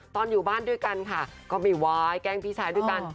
อยู่บ้านด้วยกันค่ะก็ไม่วายแกล้งพี่ชายด้วยกัน